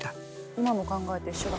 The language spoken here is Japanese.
今の考えと一緒だ。